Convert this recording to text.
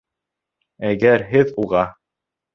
Әгәр һеҙ уға...